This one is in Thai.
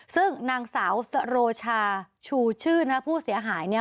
ซึ่งนางสาวสโรชาชูชื่นนะผู้เสียหายเนี่ย